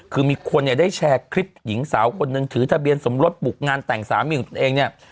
คือมีคนเนี่ยได้แชร์คลิปหญิงสาวคนหนึ่งถือทะเบียนสมรสบุกงานแต่งสามีของตนเองเนี่ย